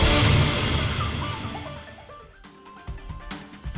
kami akan menunjukkan kembali lagi